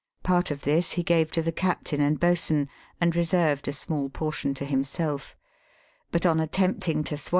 Part of this he gave to the cap<ain and boatswain, and reserved a small portion to himself. But, on attempting to swallo